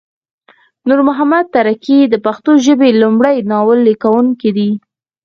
نورمحمد تره کی د پښتو ژبې لمړی ناول لیکونکی دی